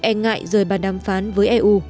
e ngại rời bàn đàm phán với eu